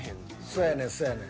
そやねんそやねん。